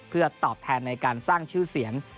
เพื่อตอบแทนในการสร้างชื่อเสียง